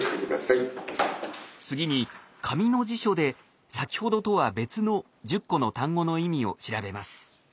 次に紙の辞書で先ほどとは別の１０個の単語の意味を調べます。